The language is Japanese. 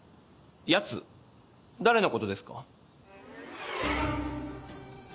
誰のことですか？